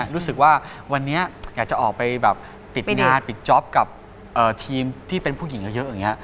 รู้สึกว่าวันนี้อยากจะออกไปแบบปิดงานปิดจ๊อปกับทีมที่เป็นผู้หญิงเยอะอย่างนี้